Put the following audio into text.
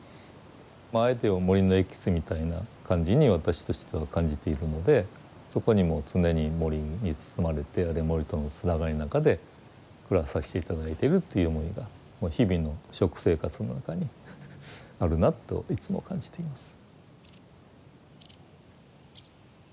あえて言えば森のエキスみたいな感じに私としては感じているのでそこにもう常に森に包まれてあるいは森とのつながりの中で暮らさせて頂いているっていう思いがもう日々の食生活の中にあるなといつも感じています。